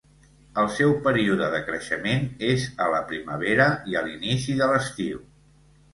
El seu període de creixement és a la primavera i a l'inici de l'estiu.